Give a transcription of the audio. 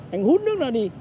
anh hút nước ra đi